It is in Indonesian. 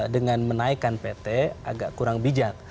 dengan menaikkan pt agak kurang bijak